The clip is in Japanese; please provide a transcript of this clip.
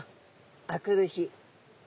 あくる日。